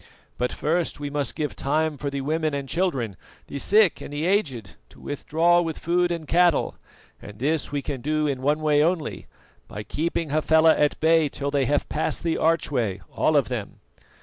But first we must give time for the women and children, the sick and the aged, to withdraw with food and cattle; and this we can do in one way only, by keeping Hafela at bay till they have passed the archway, all of them.